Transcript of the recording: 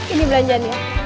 ini belanjaan ya